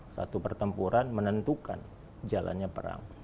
satu pertempuran menentukan jalannya perang